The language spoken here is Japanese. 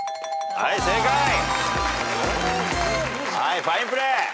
はいファインプレー。